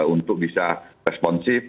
untuk bisa responsif